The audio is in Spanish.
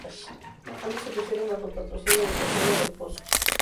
Ambos se pusieron bajo el patrocinio de Cassiano dal Pozzo.